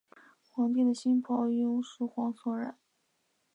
皇帝的黄袍用柘黄所染。